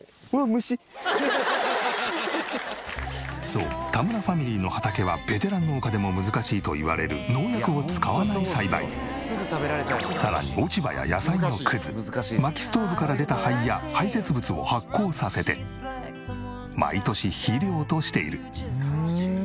そう田村ファミリーの畑はベテラン農家でも難しいといわれるさらに落ち葉や野菜のクズ薪ストーブから出た灰や排泄物を発酵させて毎年肥料としている。